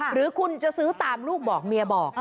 หรือคุณจะซื้อตามลูกบอกเมียบอก